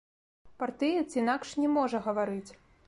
Партыец інакш не можа гаварыць.